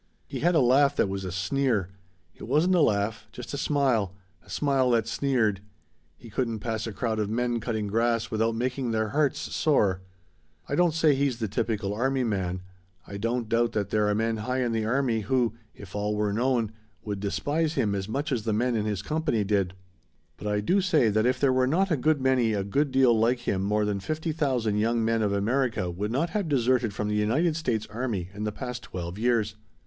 "He had a laugh that was a sneer. It wasn't a laugh, just a smile; a smile that sneered. He couldn't pass a crowd of men cutting grass without making their hearts sore. "I don't say he's the typical army man. I don't doubt that there are men high in the army who, if all were known, would despise him as much as the men in his company did. But I do say that if there were not a good many a good deal like him more than fifty thousand young men of America would not have deserted from the United States army in the past twelve years.